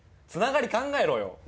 つながり考えろよ。